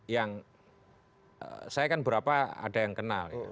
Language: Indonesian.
yang saya kan berapa ada yang kenal gitu